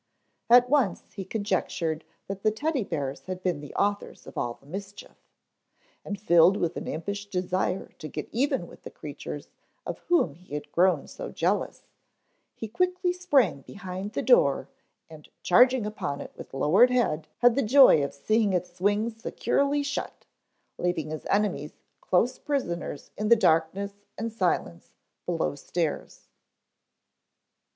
At once he conjectured that the Teddy bears had been the authors of all the mischief; and filled with an impish desire to get even with the creatures of whom he had grown so jealous, he quickly sprang behind the door and charging upon it with lowered head had the joy of seeing it swing securely shut, leaving his enemies close prisoners in the darkness and silence below stairs.